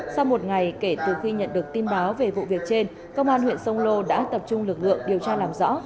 sau một ngày kể từ khi nhận được tin báo về vụ việc trên công an huyện sông lô đã tập trung lực lượng điều tra làm rõ